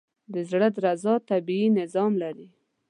د زړه درزا طبیعي نظام لري.